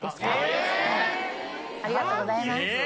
ありがとうございます。